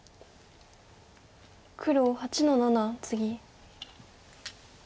黒８の七ツギ。